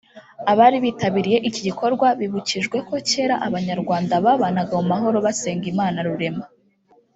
Abari bitabiriye iki gikorwa bibukijwe ko kera Abanyarwanda babanaga mu mahoro basenga Imana Rurema